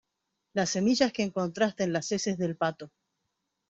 las semillas que encontraste en las heces del pato